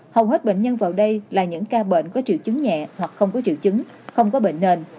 hầu hết bệnh nhân vào đây là những ca bệnh có triệu chứng nhẹ hoặc không có triệu chứng không có bệnh nền